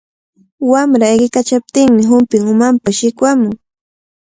Wamra ayqiykachaptinmi humpin umanpa shikwamun.